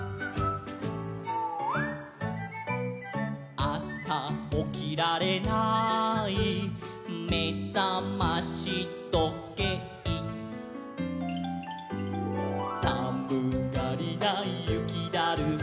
「あさおきられないめざましどけい」「さむがりなゆきだるま」